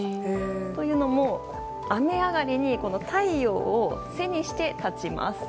というのも雨上がりに太陽を背にして立ちます。